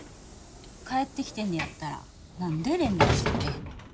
帰ってきてんねやったら何で連絡してくれへんの？